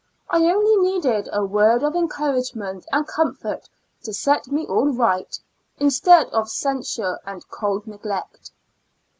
I only needed a word of encoiir ao ement and comfort to set me all rio^ht, instead of censure and cold neglect.